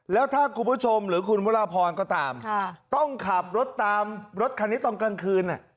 แล้วถ้าคุณผู้ชมหรือคุณวราพรก็ตามต้องขับรถตามรถคันนี้ตอนกลางคืน